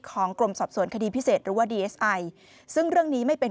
ของกรมสอบส่วนคดีพิเศษหรือว่าซึ่งเรื่องนี้ไม่เป็น